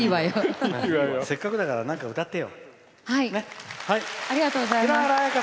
せっかくだからなんか歌ってよ。